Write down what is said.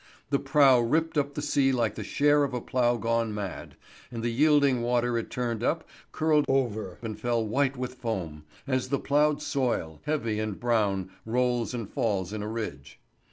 The prow ripped up the sea like the share of a plough gone mad, and the yielding water it turned up curled over and fell white with foam, as the ploughed soil, heavy and brown, rolls and falls in a ridge.